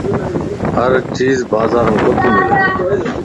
ھر چيز بازار مَ ڪوتي ملَ